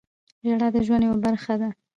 • ژړا د ژوند یوه برخه ده.